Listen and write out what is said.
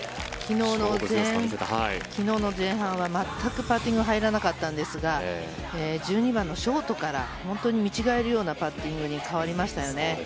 昨日の前半は全くパッティングが入らなかったんですが１２番のショートから見違えるようなパッティングに変わりましたよね。